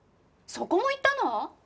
そこも行ったの！？